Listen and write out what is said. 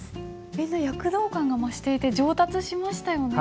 みんな躍動感が増していて上達しましたよね？